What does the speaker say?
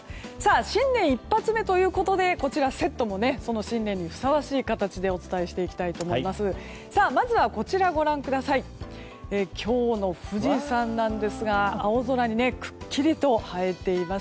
新年一発目ということでセットも新年にふさわしい形でお伝えしていきます。